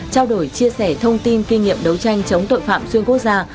trao đổi chia sẻ thông tin kinh nghiệm đấu tranh chống tội phạm xuyên quốc gia